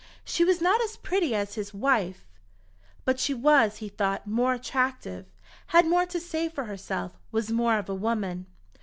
She was not as pretty as his wife, but she was, he thought, more attractive, had more to say for herself, was more of a woman.